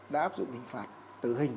đã áp dụng hình phạt tử hình